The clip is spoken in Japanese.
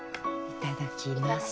いただきます。